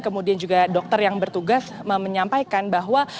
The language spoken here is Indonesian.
kemudian juga dokter yang bertugas menyampaikan bahwa